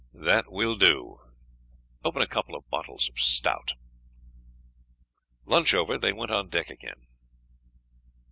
"That will do; open a couple of bottles of stout." Lunch over, they went on deck again.